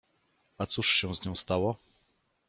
— A cóż się z nią stało?